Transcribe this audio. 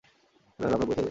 Hello hello, আপনার পরিচয় দিন?